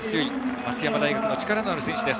松山大学の力のある選手です。